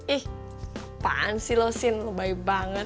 ih apaan sih lo sin lo baik banget